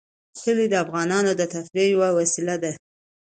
کلي د افغانانو د تفریح یوه وسیله ده.